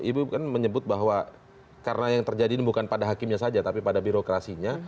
ibu kan menyebut bahwa karena yang terjadi ini bukan pada hakimnya saja tapi pada birokrasinya